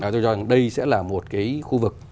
tôi cho rằng đây sẽ là một cái khu vực